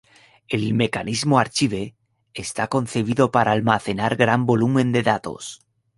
El mecanismo Archive está concebido para almacenar gran volumen de datos.